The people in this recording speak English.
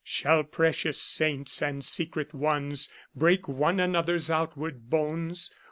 Shall precious saints and secret ones, Break one another's outward bones